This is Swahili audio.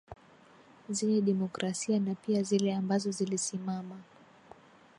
zenye demokrasia na pia zile ambazo zilisimama